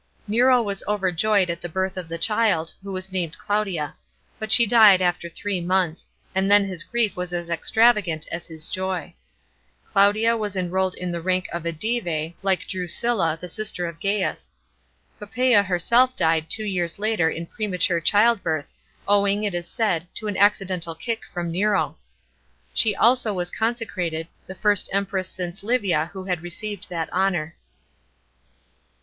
Nero was overjoyed at the birth of the child, \\ho was named Claudia, but she died afUr three months, and then his griet was as extravaian^ as his joy. Claudia was enrolled in the rank of the divas, like Brasilia, the sister ot Gains. Poppaea herseli died two yea' s later in premature child birth, owing, it is said, to an accidental kick from Nero. She also was consecrated, the first Empress since Livia who had received that honour.